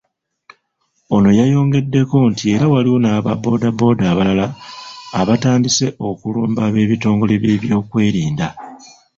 Ono yayongeddeko nti era waliwo n'aba boda boda abalala abatandise okulumba eb'ebitongole by'ebyokwerinda.